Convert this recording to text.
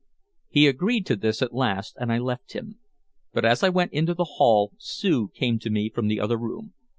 He agreed to this at last and I left him. But as I went into the hall Sue came to me from the other room.